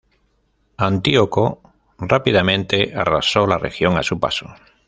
Antíoco rápidamente arrasó la región a su paso.